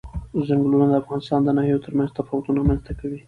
چنګلونه د افغانستان د ناحیو ترمنځ تفاوتونه رامنځ ته کوي.